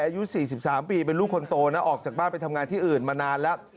อายุ๔๓ปีเป็นลูกคนโตนะออกจากบ้านไปทำงานที่อื่นมานานแล้ว